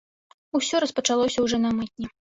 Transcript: Усё распачалося ўжо на мытні.